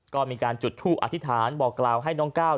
ก็มีการจุดทูปอธิษฐานบอกกล่าวให้น้องก้าว